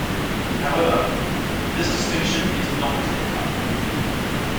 However, this distinction is not clear-cut.